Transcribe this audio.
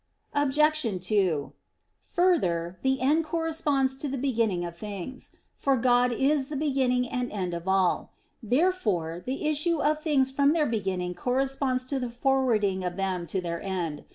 Obj. 2: Further, the end corresponds to the beginning of things; for God is the beginning and end of all. Therefore the issue of things from their beginning corresponds to the forwarding of them to their end.